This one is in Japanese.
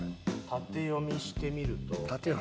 縦読みしてみると。